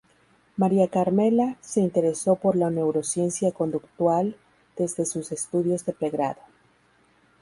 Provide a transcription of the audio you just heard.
Maria Carmela se interesó por la neurociencia conductual desde sus estudios de pregrado.